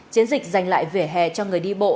chiến dịch dành lại vẻ hè cho người đi bộ